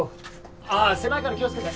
あ狭いから気をつけて。